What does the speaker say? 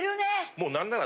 もう何なら。